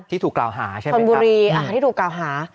ที่ถูกกล่าวหา